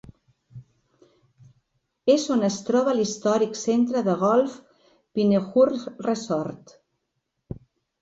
És on es troba l'històric centre de golf Pinehurst Resort.